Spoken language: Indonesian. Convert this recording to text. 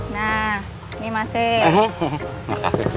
nah ini mas e